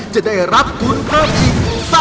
จะได้รับทุนเพิ่มอีก